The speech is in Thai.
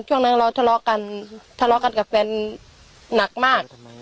ช่วงนั้นเราทะเลาะกันทะเลาะกันกับแฟนหนักมาก